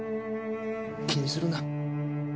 気にするな。